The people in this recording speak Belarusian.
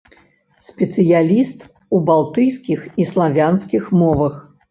Спецыяліст у балтыйскіх і славянскіх мовах.